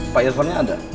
pak irfan nya ada